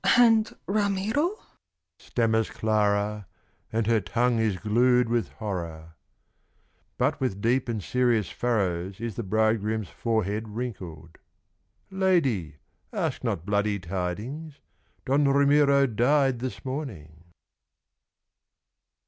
"And Ramiro?" stammers Clara, And her tongue is glued with horror. But with deep and serious furrows Is the bridegroom's forehead wrinkled. "Lady, ask not bloody tidings Don Ramiro died this morning."